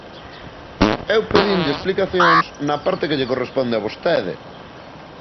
¡Eu pedinlle explicacións na parte que lle corresponde a vostede!